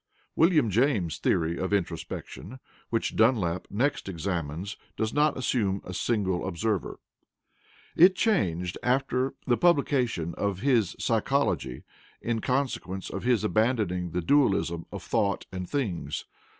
William James's theory of introspection, which Dunlap next examines, does not assume a single observer. It changed after the publication of his "Psychology," in consequence of his abandoning the dualism of thought and things.